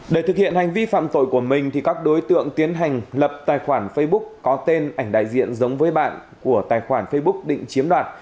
để thực hiện hành vi phạm tội của mình các đối tượng tiến hành lập tài khoản facebook có tên ảnh đại diện giống với bạn của tài khoản facebook định chiếm đoạt